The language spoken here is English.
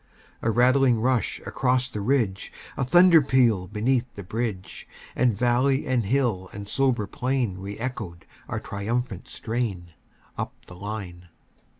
A rattling rush across the ridge, A thunder peal beneath the bridge; And valley and hill and sober plain Re echoed our triumphant strain, Up the line.